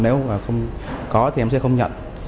nếu có thì em sẽ không nhận